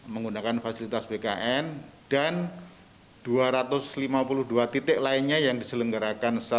menggunakan fasilitas bkn